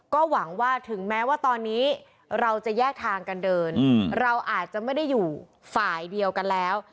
ก็หวังว่าถึงแม้ว่าตอนนี้เราจะแยกทางกันเดินเราอาจจะไม่ได้อยู่ฝ่ายเดียวกันแล้ว